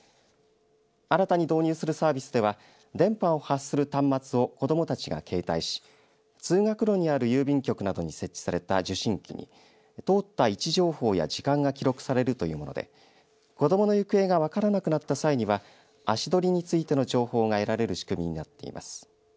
新たに導入するサービスでは電波を発する端末を子どもたちが携帯し通学路にある郵便局などに設置された受信機に通った位置情報や時間が記録されるというもので子どもの行方が分からなくなった際には足取りについての情報が得られる仕組みになっています。